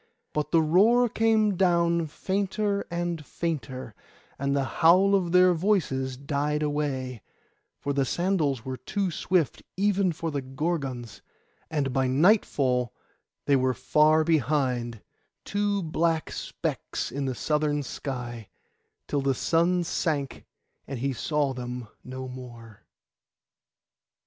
But the roar came down fainter and fainter, and the howl of their voices died away; for the sandals were too swift, even for Gorgons, and by nightfall they were far behind, two black specks in the southern sky, till the sun sank and he saw them no more.